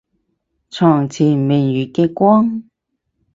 床前明月嘅光